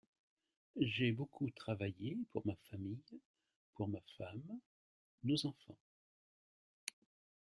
J’ai beaucoup travaillé pour ma famille, pour ma femme, nos enfants.